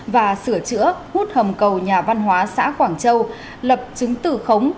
và sửa chữa hút hầm cầu nhà văn hóa xã quảng châu lập chứng tử khống